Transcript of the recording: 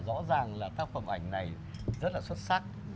rõ ràng là tác phẩm ảnh này rất là xuất sắc